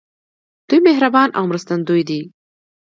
دوی مهربان او مرستندوی دي.